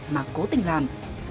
mà cố tình làm